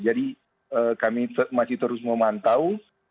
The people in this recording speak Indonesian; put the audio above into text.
jadi kami masih terus memantau